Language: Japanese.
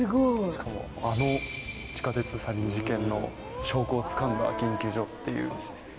しかもあの地下鉄サリン事件の証拠をつかんだ研究所っていう。